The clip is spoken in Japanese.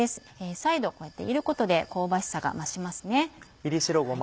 再度こうやって炒ることで香ばしさが増しますね。